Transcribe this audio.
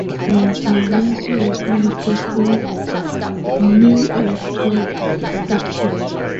Montmorency was one of those new electoral districts.